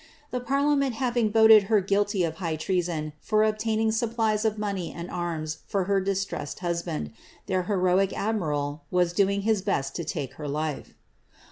The parliament having voted her guilty of hiffh treason, for obtaining supplies of money and arms for her distressed husband, ibeir heroic admiral was doing his best to take her life.